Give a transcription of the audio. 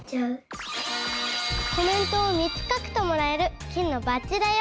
コメントを３つ書くともらえる金のバッジだよ。